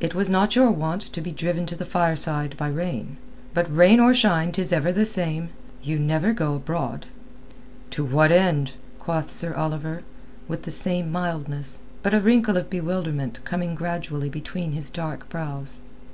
"It was not your wont to be driven to the fireside by rain. But rain or shine 'tis ever the same. You never go abroad." "To what end?" quoth Sir Oliver, with the same mildness, but a wrinkle of bewilderment coming gradually between his dark brows.